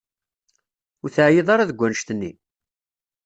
Ur teεyiḍ ara deg annect-nni?